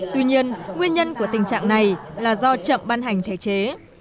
tuy nhiên nguyên nhân của tình trạng này là do chậm ban hành thể chế